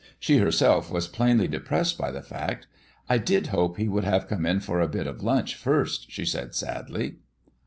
She herself was plainly depressed by the fact. "I did hope he would have come in for a bit of lunch first," she said, sadly.